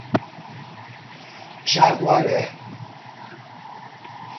Jaguaré